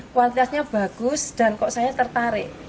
kualitasnya bagus dan kok saya tertarik